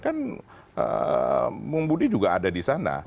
kan bung budi juga ada di sana